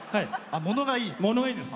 ものがいいです。